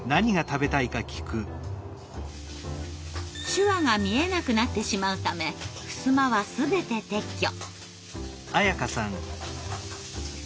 手話が見えなくなってしまうためふすまは全て撤去。